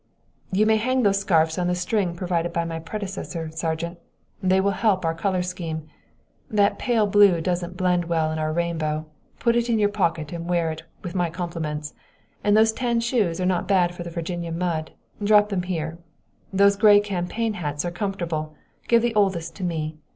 "You may hang those scarfs on the string provided by my predecessor, Sergeant. They will help our color scheme. That pale blue doesn't blend well in our rainbow put it in your pocket and wear it, with my compliments; and those tan shoes are not bad for the Virginia mud drop them here. Those gray campaign hats are comfortable give the oldest to me.